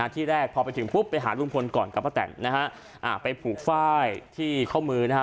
ที่แรกพอไปถึงปุ๊บไปหาลุงพลก่อนกับป้าแตนนะฮะไปผูกฝ้ายที่ข้อมือนะฮะ